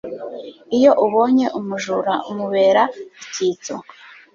iyo ubonye umujura, umubera icyitso